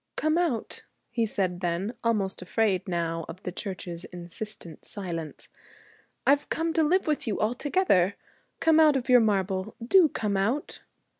'Come out,' he said then, almost afraid now of the church's insistent silence. 'I've come to live with you altogether. Come out of your marble, do come out!'